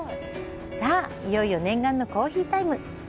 さあ、いよいよ念願のコーヒータイム。